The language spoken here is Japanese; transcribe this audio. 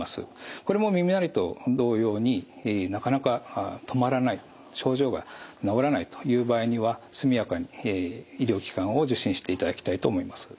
これも耳鳴りと同様になかなか止まらない症状が治らないという場合には速やかに医療機関を受診していただきたいと思います。